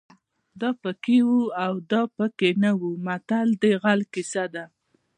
دا پکې وو او دا پکې نه وو متل د غل کیسه ده